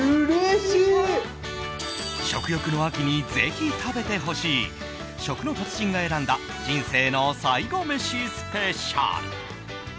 食欲の秋にぜひ食べてほしい食の達人が選んだ人生の最後メシスペシャル。